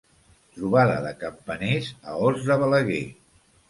Trobada de Campaners a Os de Balaguer.